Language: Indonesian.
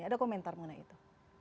ada komentar mengenai itu